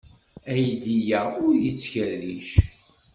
Aydi-a ur yettkerric.